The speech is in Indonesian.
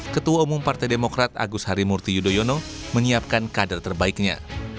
ketua umum partai demokrat agus harimurti yudhoyono menyiapkan kader terbaiknya